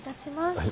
はい。